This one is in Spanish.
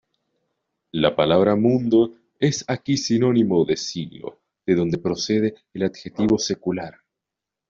La palabra mundo es aquí sinónimo de siglo, de donde procede el adjetivo secular.